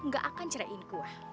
gak akan ceraiin kuah